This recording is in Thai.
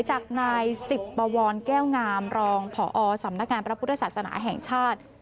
จากนายสิบปวรแก้วงามรองผอสำนักงานพระพุทธศาสนาแห่งชาติ